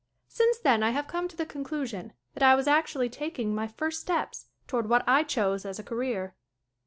Since then I have come to the con clusion that I was actually taking my first steps toward what I chose as a career.